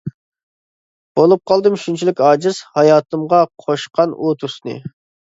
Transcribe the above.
بولۇپ قالدىم شۇنچىلىك ئاجىز، ھاياتىمغا قوشقان ئۇ تۈسنى.